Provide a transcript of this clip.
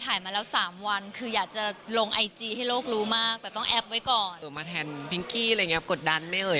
กดดันไม่เอ่ยอะไรอย่างงี้ค่ะ